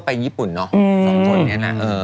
ไปญี่ปุ่นเนาะสองคนนี้นะ